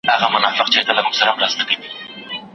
لیري یې بوتلمه تر کوره ساه مي ودرېده